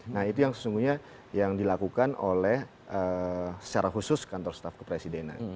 nah itu yang sesungguhnya yang dilakukan oleh secara khusus kantor staf kepresidenan